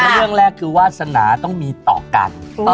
เรื่องแรกคือวาสนาต้องมีต่อกัน